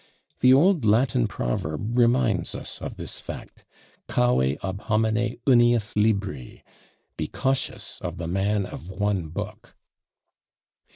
The old Latin proverb reminds us of this fact, Cave ab homine unius libri: Be cautious of the man of one book!